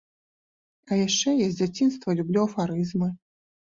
А яшчэ я з дзяцінства люблю афарызмы.